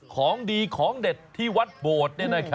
ของดีของเด็ดที่วัดโบด